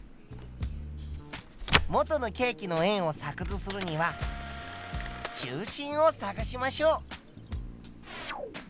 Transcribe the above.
元のケーキの円を作図するには中心を探しましょう。